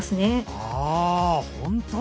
あほんとだ。